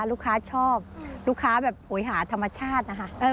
ลูกค้าชอบลูกค้าโหยหาธรรมชาติ